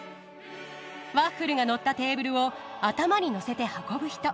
ワッフルがのったテーブルを頭にのせて運ぶ人。